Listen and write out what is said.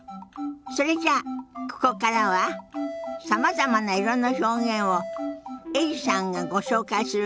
それじゃあここからはさまざまな色の表現をエリさんがご紹介するわよ。